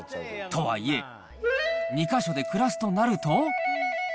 とはいえ、２か所で暮らすとなると。